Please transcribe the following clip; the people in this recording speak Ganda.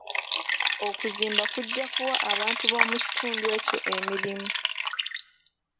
Okuzimba kujja kuwa abantu b'omu kitundu ekyo emirimu.